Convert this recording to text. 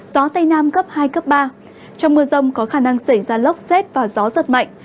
gió tây nam cấp hai cấp ba trong mưa rông có khả năng xảy ra lốc xét và gió giật mạnh